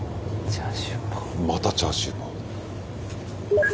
またチャーシューパオ。